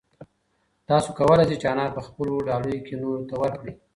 تاسو کولای شئ چې انار په خپلو ډالیو کې نورو ته ورکړئ.